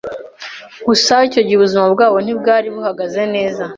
gusa icyo gihe ubuzima bwabo ntibwari buhagaze neza